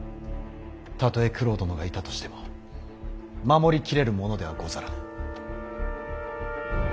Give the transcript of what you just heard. たとえ九郎殿がいたとしても守り切れるものではござらぬ。